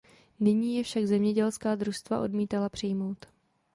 Nyní je však zemědělská družstva odmítala přijmout.